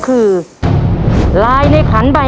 คุณฝนจากชายบรรยาย